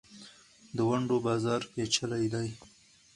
د ونډو بازار پېچلی دی.